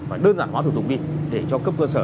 và đơn giản hóa thủ tục đi để cho cấp cơ sở